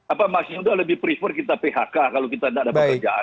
apakah mas yudha lebih prefer kita phk kalau kita tidak dapat pekerjaan